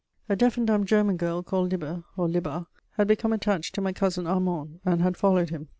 A deaf and dumb German girl, called Libbe, or Libba, had become attached to my cousin Armand and had followed him.